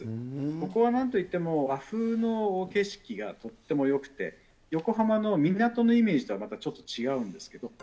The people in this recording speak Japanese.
ここはなんといっても和風の景色がとってもよくて、横浜の港のイメージとはまたちょっと違うんですけど。